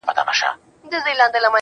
ته که دروغ هـــــــــم وايې رښتيا لګي